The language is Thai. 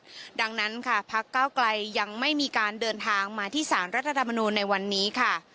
เพราะฉะนั้นค่ะพักเก้าไกลยังไม่มีการเดินทางมาที่สารรัฐธรรมนูลในวันนี้ค่ะ